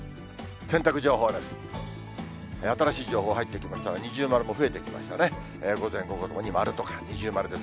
洗濯情報です。